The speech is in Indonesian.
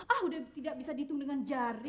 ah udah tidak bisa dihitung dengan jari